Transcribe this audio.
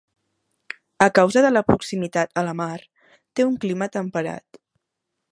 A causa de la proximitat a la mar, té un clima temperat.